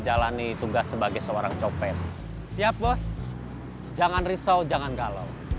jangan risau jangan galau